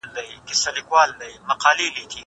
زه پرون مځکي ته ګورم وم!